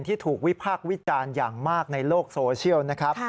ที่ถูกวิพากษ์วิจารณ์อย่างมากในโลกโซเชียลนะครับ